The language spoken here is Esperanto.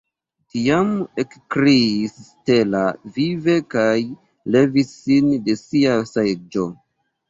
Tiam ekkriis Stella vive kaj levis sin de sia seĝo.